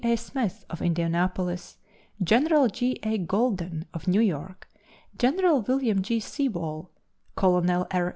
A. Smith, of Indianapolis; General J. A. Golden, of New York; General William J. Sewall, Colonel R.